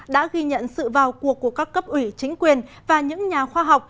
đã ghi nhận sự vào cuộc của các cấp ủy chính quyền và những nhà khoa học